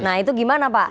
nah itu gimana pak